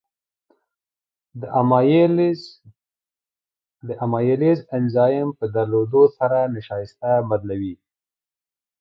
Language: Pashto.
د امایلیز انزایم په درلودو سره نشایسته بدلوي.